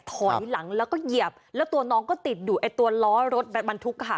ถอยหลังแล้วก็เหยียบแล้วตัวน้องก็ติดอยู่ไอ้ตัวล้อรถบรรทุกค่ะ